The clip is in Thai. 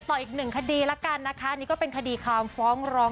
ต่ออีกหนึ่งคดีนะคะเนี่ยก็เป็นคดีคำฟ้องร้อง